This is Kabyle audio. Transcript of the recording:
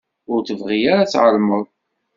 Ur tebɣi ara ad tεelmeḍ.